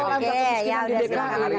soal angka kemiskinan di dki